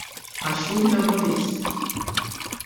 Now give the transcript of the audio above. Għax hu Laburist.